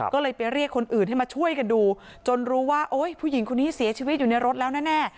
ก็เลยไปเรียกคนอื่นให้มาช่วยกันดูจนรู้ว่าโอ๊ยผู้หญิงคนนี้เสียชีวิตอยู่ในรถแล้วแน่